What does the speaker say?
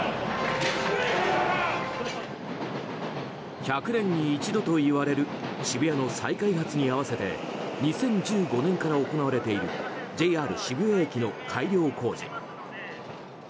１００年に一度といわれる渋谷の大開発に合わせて２０１５年から行われているＪＲ渋谷駅の改良工事。